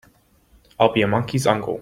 I'll be a monkey's uncle!